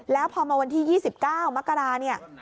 แล้วพอมาวันที่๒๙มกรา